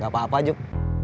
gak apa apa yuk